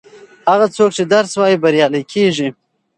هغه څوک چې درس وايي بریالی کیږي.